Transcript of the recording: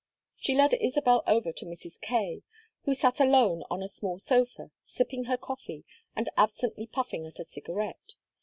She led Isabel over to Mrs. Kaye, who sat alone on a small sofa, sipping her coffee and absently puffing at a cigarette.